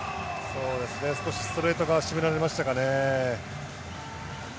少しストレート側がしめられましたかね。